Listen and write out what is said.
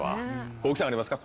大木さんありますか？